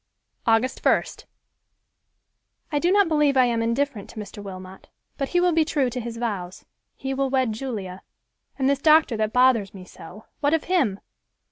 August 1st—"I do not believe I am indifferent to Mr. Wilmot, but he will be true to his vows—he will wed Julia; and this doctor that bothers me so, what of him?